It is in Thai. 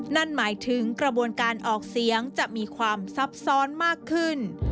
นั่นหมายถึงกระบวนการออกเสียงจะมีความซับซ้อนมากขึ้น